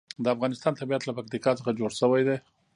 د افغانستان طبیعت له پکتیکا څخه جوړ شوی دی.